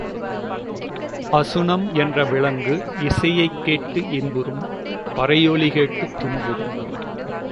அசுணம் என்ற விலங்கு இசையைக் கேட்டு இன்புறும் பறையொலி கேட்டுத் துன்புறும்.